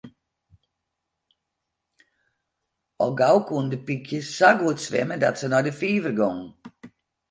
Al gau koenen de pykjes sa goed swimme dat se nei de fiver gongen.